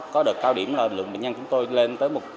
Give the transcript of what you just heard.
có đợt cao điểm là lượng bệnh nhân chúng tôi lên tới